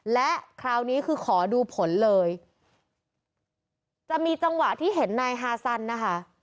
และคราวนี้คือขอดูผลเลยจะมีจังหวะที่เห็นนายฮาซันนะคะ